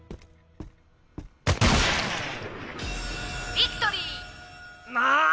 「」「ビクトリー」あっ！